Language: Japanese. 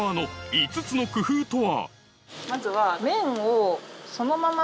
まずは。